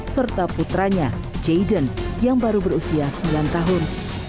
serta putranya jaden yang baru berusia sembilan tahun